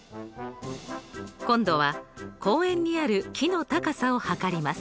今度は公園にある木の高さを測ります。